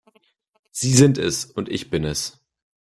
Sie sind es, und ich bin es.